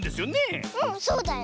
うんそうだよ。